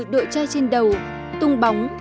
đội trai trên đầu tung bóng